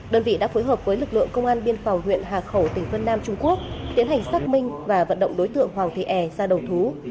đơn vị đã phối hợp với lực lượng công an biên phòng huyện hà khẩu tỉnh vân nam trung quốc tiến hành xác minh và vận động đối tượng hoàng thị e ra đầu thú